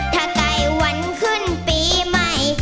ถ้าได้วันขึ้นปีใหม่